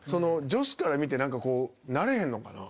女子から見て何かこうなれへんのかな？